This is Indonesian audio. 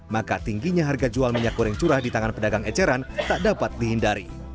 maka tingginya harga jual minyak goreng curah di tangan pedagang eceran tak dapat dihindari